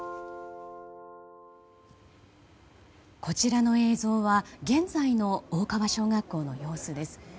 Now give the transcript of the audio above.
こちらの映像は現在の大川小学校の様子です。